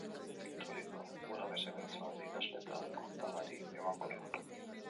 Iturriko ura bezain bertsolari, idazle eta kontalari emankorra.